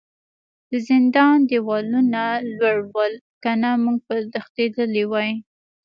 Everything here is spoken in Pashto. د زندان دیوالونه لوړ ول کنه موږ به تښتیدلي وای